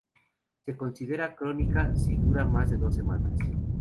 Se considera crónica si dura más de dos semanas.